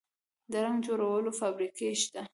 د رنګ جوړولو فابریکې شته؟